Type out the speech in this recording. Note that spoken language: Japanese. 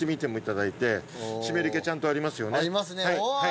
ありますね。